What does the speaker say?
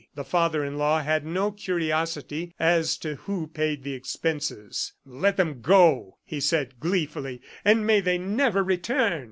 The father in law had no curiosity as to who paid the expenses. "Let them go!" he said gleefully, "and may they never return!"